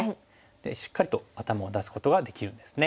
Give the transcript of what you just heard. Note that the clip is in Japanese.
でしっかりと頭を出すことができるんですね。